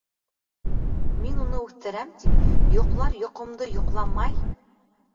Мин уны үҫтерәм тип, йоҡлар йоҡомдо йоҡламай...